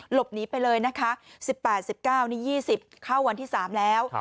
หลบหนีไปเลยนะคะ๑๘๑๙นี่๒๐เข้าวันที่๓แล้ว